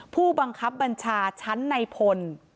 ผู้บังคับบัญชาชั้นในพล